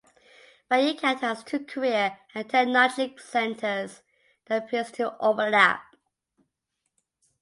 Fayette County has two Career and Technology Centers that appear to overlap.